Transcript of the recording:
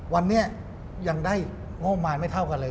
วันนี้ยังได้งบมารไม่เท่ากันเลย